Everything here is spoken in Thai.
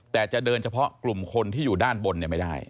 แต่จะเดินเฉพาะกลุ่มคนที่อยู่ด้านบนไม่ได้